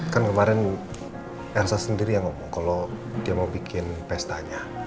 kan kemarin elsa sendiri yang ngomong kalau dia mau bikin pestanya